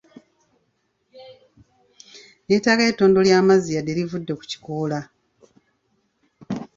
Neetaagayo ettondo ly'amazzi yadde livudde ku kikoola.